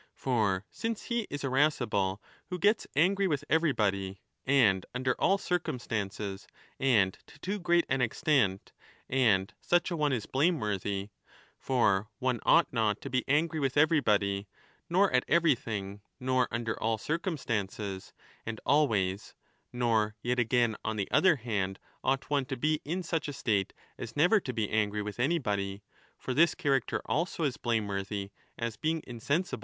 For since he is 30 irascible who gets angry with everybody and under all circumstances and to too great an extent, and such a one is blameworthy (for one ought not to be angry with everybody nor at everything nor under all circumstances and always, nor yet again on the other hand ^ ought one I to be in such a state as never to be angry with anybody ; for this character also is blameworthy, as being insensible), 23 41 = E.